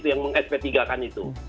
yang meng sp tiga kan itu